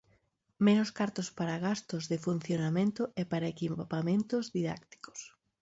Menos cartos para gastos de funcionamento e para equipamentos didácticos.